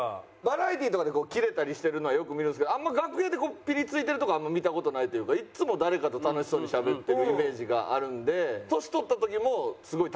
バラエティーとかでキレたりしてるのはよく見るんですけど楽屋でピリついてるとこあんまり見た事ないというかいつも誰かと楽しそうにしゃべってるイメージがあるんで年取った時もすごい楽しそうやなっていう。